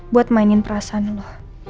buat mainin perasaan gue